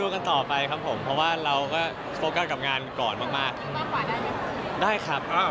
โอเคครับผมเพราะว่าเราก็โฟกกันกับงานก่อนมาก